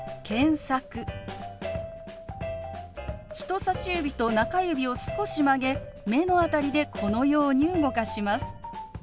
人さし指と中指を少し曲げ目の辺りでこのように動かします。